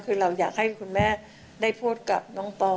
คือเราอยากให้คุณแม่ได้พูดกับน้องปอ